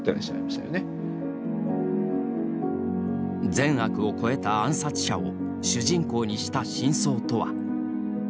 善悪を超えた暗殺者を主人公にした真相とは。